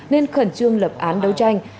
nên khẩn trương lập án đấu tranh